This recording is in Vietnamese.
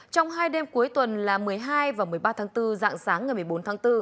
trong hai đêm cuối tuần là một mươi hai và một mươi ba tháng bốn dạng sáng ngày một mươi bốn tháng bốn